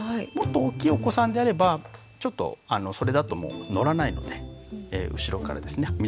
もっと大きいお子さんであればちょっとそれだともう乗らないので後ろからですね